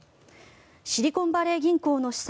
シリコンバレー銀行の資産